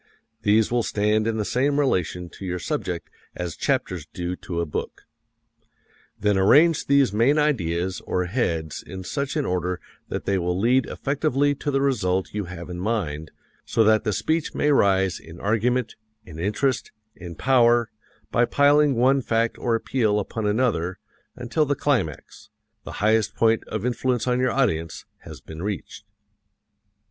These will stand in the same relation to your subject as chapters do to a book. Then arrange these main ideas or heads in such an order that they will lead effectively to the result you have in mind, so that the speech may rise in argument, in interest, in power, by piling one fact or appeal upon another until the climax the highest point of influence on your audience has been reached.